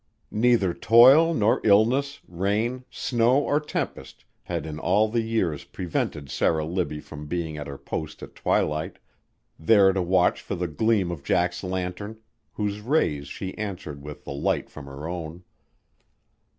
Neither toil nor illness, rain, snow or tempest had in all the years prevented Sarah Libbie from being at her post at twilight, there to watch for the gleam of Jack's lantern, whose rays she answered with the light from her own.